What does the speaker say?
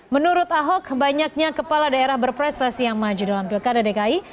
menurut ahok banyaknya kepala daerah berprestasi yang maju dalam pilkada dki